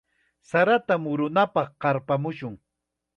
Sarata murunapaq qarpamushun.